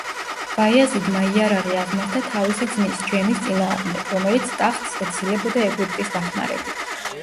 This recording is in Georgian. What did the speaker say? ბაიაზიდმა იარაღი აღმართა თავისი ძმის ჯემის წინააღმდეგ, რომელიც ტახტს ეცილებოდა ეგვიპტის დახმარებით.